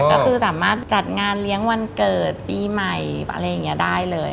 ก็คือสามารถจัดงานเลี้ยงวันเกิดปีใหม่อะไรอย่างนี้ได้เลย